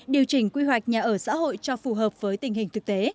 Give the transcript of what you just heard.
điều chỉnh quy hoạch nhà ở xã hội cho phù hợp với tình hình thực tế